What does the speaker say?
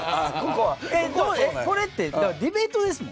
これってディベートですもんね？